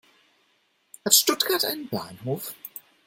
Hat Stuttgart einen Bahnhof?